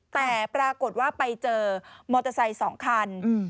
แต่ปรากฏว่าไปเจอมอเตอร์ไซค์๒คัน